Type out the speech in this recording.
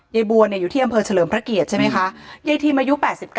ยายบัวเนี่ยอยู่ที่อำเภอเฉลิมพระเกียรติใช่ไหมคะยายทิมอายุ๘๙